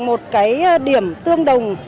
một cái điểm tương đồng